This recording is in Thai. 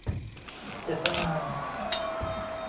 เจ็ดทะนาน